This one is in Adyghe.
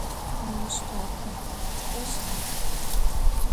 Nêuş parkım tık'oşta?